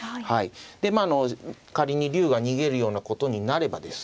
でまあ仮に竜が逃げるようなことになればですね